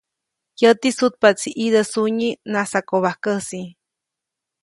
Yäti sutpaʼtsi ʼidä sunyi najsakobajkäsi.